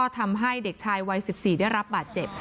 ทำให้เด็กชายวัย๑๔ได้รับบาดเจ็บ